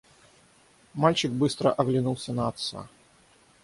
Мальчик быстро оглянулся на отца.